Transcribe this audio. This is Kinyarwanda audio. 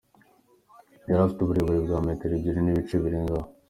Yari afite uburebure bwa metero ebyiri n’ibice birengaho.